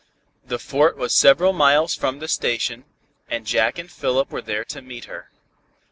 The Fort was several miles from the station, and Jack and Philip were there to meet her.